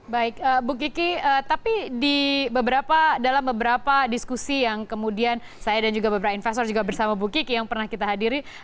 baik bu kiki tapi dalam beberapa diskusi yang kemudian saya dan juga beberapa investor juga bersama bu kiki yang pernah kita hadiri